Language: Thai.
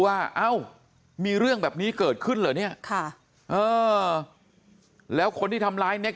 ว่าเอ้ามีเรื่องแบบนี้เกิดขึ้นอย่าแล้วคนที่ทำร้ายเน็ก